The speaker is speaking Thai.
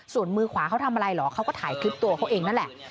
ส่วนมือขวาเขาทำอะไรเหรอเขาก็ถ่ายคลิปตัวเขาเองนั่นแหละ